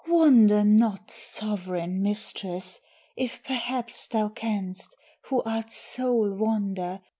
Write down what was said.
"Wonder not, sovran mistress, if perhaps Thou canst who art sole wonder!